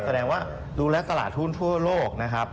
แสดงว่าดูแล้วตลาดหุ้นทั่วโลกนะครับ